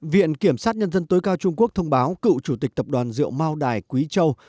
viện kiểm sát nhân dân tối cao trung quốc thông báo cựu chủ tịch tập đoàn rượu mao đài quý châu